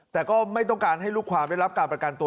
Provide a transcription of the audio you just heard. แต่ก็ไม่ต้องการให้ลูกความได้รับการประกันตัว